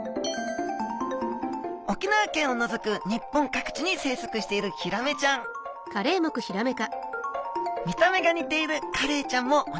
沖縄県を除く日本各地に生息しているヒラメちゃん見た目が似ているカレイちゃんも同じ仲間です